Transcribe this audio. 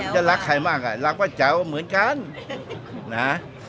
จะรักใครมากน่ะรักพเจ้าเหมือนกันนะ